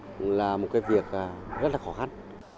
cũng là một cái việc rất là khó khăn